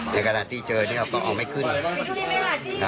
ในขณะที่เจอเนี่ยเขาก็ออกไม่ขึ้น